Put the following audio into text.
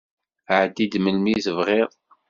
Ɛeddi-d melmi i tebɣiḍ.